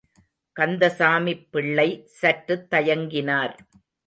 கந்தசாமிப் பிள்ளை சற்றுத் தயங்கினார்.